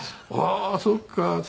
ああーそっか。